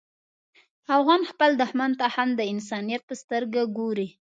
افغان خپل دښمن ته هم د انسانیت په سترګه ګوري.